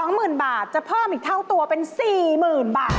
หมื่นบาทจะเพิ่มอีกเท่าตัวเป็น๔๐๐๐บาท